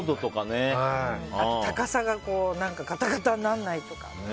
高さがガタガタにならないとか。